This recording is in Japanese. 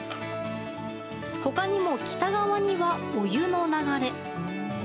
他にも、北側にはお湯の流れ